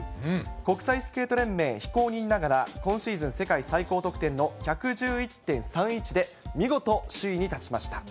国際スケート連盟非公認ながら、今シーズン世界最高得点の１１１．３１で、見事、首位に立ちました。